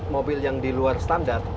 mobil yang di luar standar